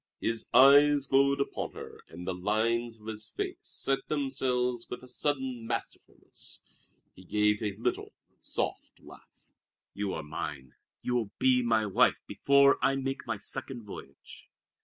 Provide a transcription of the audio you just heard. His eyes glowed upon her, and the lines of his face set themselves with a sudden masterfulness. He gave a little, soft laugh. "You are mine! You will be my wife before I make my second voyage."